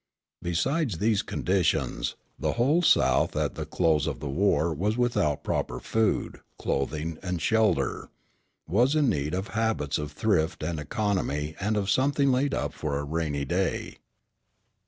Besides these conditions, the whole South at the close of the war was without proper food, clothing, and shelter, was in need of habits of thrift and economy and of something laid up for a rainy day.